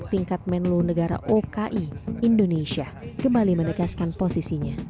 tingkat menlu negara oki indonesia kembali menegaskan posisinya